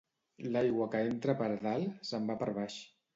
L'aigua que entra per dalt se'n va per baix